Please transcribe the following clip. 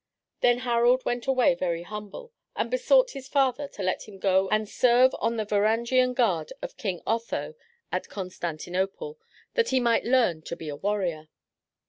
Then Harald went away very humble and besought his father to let him go and serve on the Varangian Guard of King Otho at Constantinople, that he might learn to be a warrior.